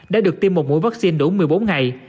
đã được tiêm một mũi vaccine đủ một mươi bốn ngày